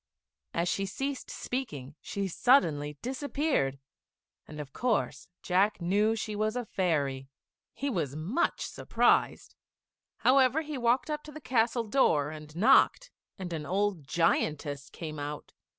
As she ceased speaking she suddenly disappeared, and of course Jack knew she was a fairy. [Illustration: JACK ASKS ABOUT THE CASTLE.] He was much surprised; however, he walked up to the castle door and knocked, and an old giantess came out.